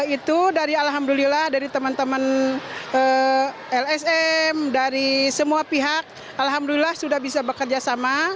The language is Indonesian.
itu dari alhamdulillah dari teman teman lsm dari semua pihak alhamdulillah sudah bisa bekerja sama